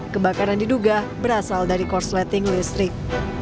kebakaran diduga berasal dari korsleting listrik